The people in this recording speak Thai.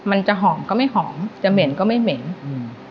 มันจะหอมก็ไม่หอมจะเหม็นก็ไม่เหม็นอืม